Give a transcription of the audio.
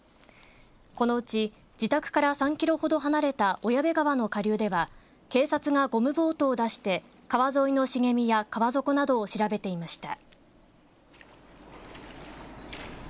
このうち、自宅から３キロほど離れた小矢部川の下流では警察がゴムボートを出して川沿いのしげみや川底などを調べていました。